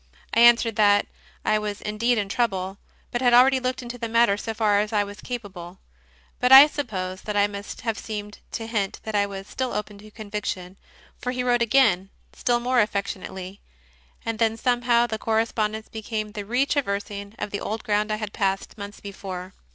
I answered that I was indeed in trouble, but had already looked into the matter so far as I was ca pable. But I suppose that I must have seemed to hint that I was still open to conviction, for he wrote again, still more affectionately, and then somehow the correspondence became the retraversing of the old ground I had passed months before.